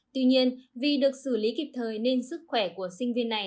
tuy nhiên vì được xử lý kịp thời nên sức khỏe của sinh viên này